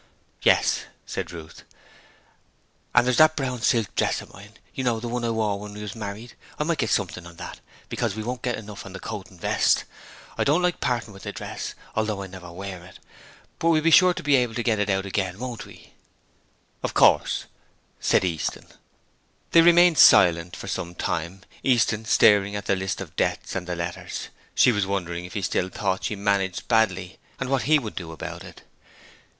'Yes,' said Ruth; 'and there's that brown silk dress of mine you know, the one I wore when we was married I might get something on that, because we won't get enough on the coat and vest. I don't like parting with the dress, although I never wear it; but we'll be sure to be able to get it out again, won't we?' 'Of course,' said Easton. They remained silent for some time, Easton staring at the list of debts and the letters. She was wondering if he still thought she managed badly, and what he would do about it.